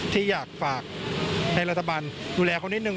ที่อยากฝากให้รัฐบาลดูแลเขานิดนึ